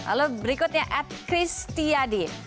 lalu berikutnya at chris tiadi